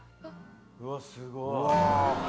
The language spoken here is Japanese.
うわすごい。